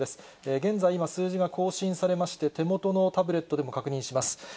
現在、今、数字が更新されまして、手元のタブレットでも確認します。